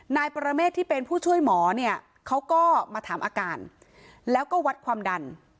นายปรเมฆที่เป็นผู้ช่วยหมอเนี่ยเขาก็มาถามอาการแล้วก็วัดความดัน